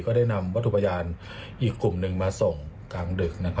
ได้นำวัตถุพยานอีกกลุ่มหนึ่งมาส่งกลางดึก